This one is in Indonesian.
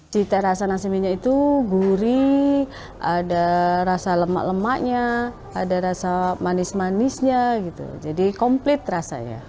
cita rasa nasi minyak itu gurih ada rasa lemak lemaknya ada rasa manis manisnya gitu jadi komplit rasanya